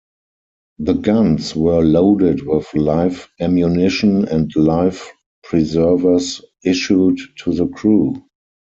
The guns were loaded with live ammunition and life preservers issued to the crew.